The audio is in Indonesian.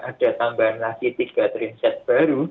ada tambahan lagi tiga train set baru